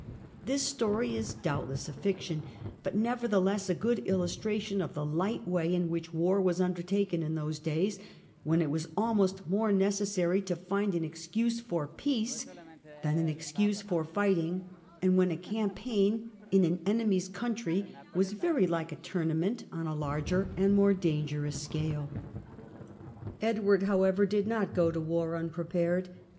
This story is doubtless a fiction, but nevertheless a good illustration of the light way in which war was undertaken in those days, when it was almost more necessary to find an excuse for peace than an excuse for fighting, and when a campaign in an enemy's country was very like a tournament on a larger and more dangerous scale. English Edward, however, did not go to war unprepared.